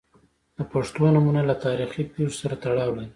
• د پښتو نومونه له تاریخي پیښو سره تړاو لري.